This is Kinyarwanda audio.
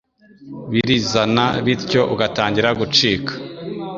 birizana bityo ugatangira gucika